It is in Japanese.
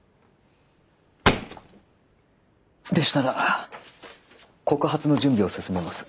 でしたら告発の準備を進めます。